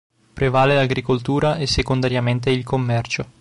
Prevale l'agricoltura e secondariamente il commercio.